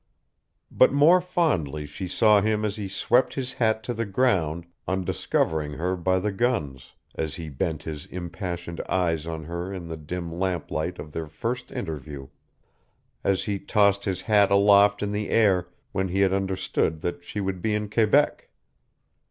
But more fondly she saw him as he swept his hat to the ground on discovering her by the guns, as he bent his impassioned eyes on her in the dim lamplight of their first interview, as he tossed his hat aloft in the air when he had understood that she would be in Quebec.